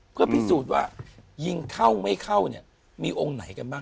เพื่อพิสูจน์ว่ายิงเข้าไม่เข้าเนี่ยมีองค์ไหนกันบ้าง